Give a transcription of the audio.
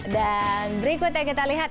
dan berikutnya kita lihat